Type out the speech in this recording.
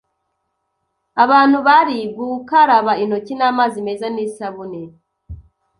abantu bari Gukaraba intoki n’amazi meza n’isabune